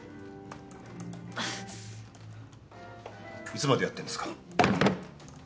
いつまでやってんですか？